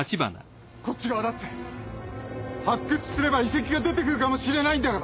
こっち側だって発掘すれば遺跡が出てくるかもしれないんだ。